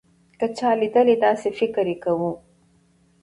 که چا لېدله داسې فکر يې کوو.